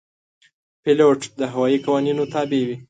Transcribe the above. پیلوټ د هوايي قوانینو تابع وي.